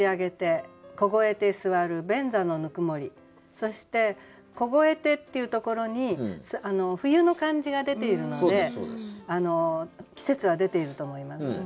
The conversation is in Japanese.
そして「凍えて」っていうところに冬の感じが出ているので季節は出ていると思います。